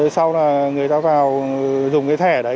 sau là người ta vào dùng cái thẻ đấy